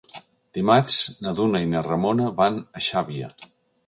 Dimarts na Duna i na Ramona van a Xàbia.